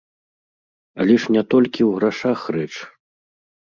Але ж не толькі ў грашах рэч!